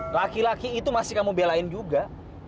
laki laki itu masih kamu belain juga